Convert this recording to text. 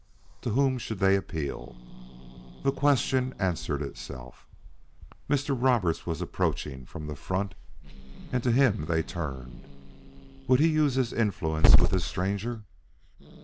To whom should they appeal? The question answered itself. Mr. Roberts was approaching from the front, and to him they turned. Would he use his influence with this stranger?